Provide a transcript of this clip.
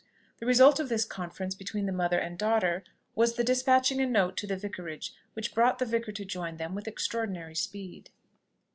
The result of this conference between the mother and daughter was the despatching a note to the Vicarage, which brought the vicar to join them with extraordinary speed.